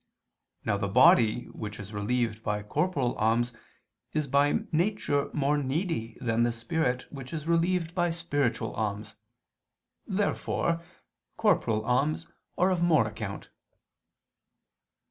Now the body which is relieved by corporal alms, is by nature more needy than the spirit which is relieved by spiritual alms. Therefore corporal alms are of more account.